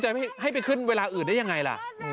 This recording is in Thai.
จะให้ไปขึ้นเวลาอื่นได้ยังไงล่ะ